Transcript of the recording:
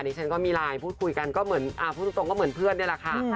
ฉันก็มีไลน์พูดคุยกันก็เหมือนพูดตรงก็เหมือนเพื่อนนี่แหละค่ะ